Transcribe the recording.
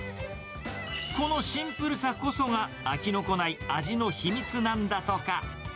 このシンプルさこそが飽きのこない味の秘密なんだとか。